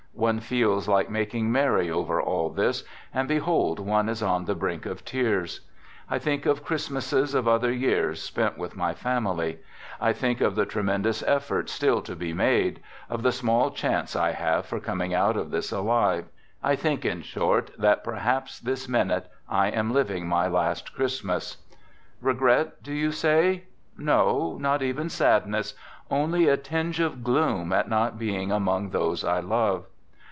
One feels like making merry over all this, and, behold, one is on the brink of tears. I think of Christmases of other years spent with my family ; I think of the tre mendous effort still to be made, of the small chance I have for coming out of this alive ; I think, in short, that perhaps this minute I am living my last Christ mas. " Regret," do you say? ••• No, not even sad ness. Only a tinge of gloom at not being among those I love.